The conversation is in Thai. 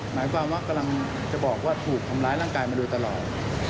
หมายความว่ากำลังจะบอกว่าถูกทำร้ายร่างกายมาโดยตลอด